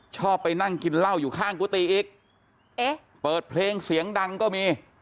ชอบไปนั่งกินเหล้าอยู่ข้างกุฏิอีกเอ๊ะเปิดเพลงเสียงดังก็มี